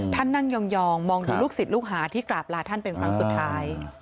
นั่งยองมองดูลูกศิษย์ลูกหาที่กราบลาท่านเป็นครั้งสุดท้าย